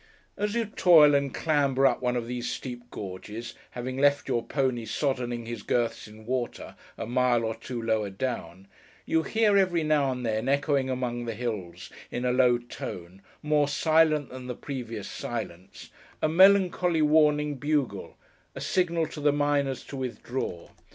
As you toil and clamber up one of these steep gorges (having left your pony soddening his girths in water, a mile or two lower down) you hear, every now and then, echoing among the hills, in a low tone, more silent than the previous silence, a melancholy warning bugle,—a signal to the miners to withdraw.